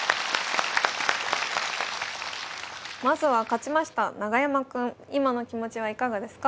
まずは勝ちました永山くん今の気持ちはいかがですか。